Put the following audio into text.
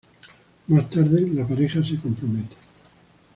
Más tarde la pareja se compromete.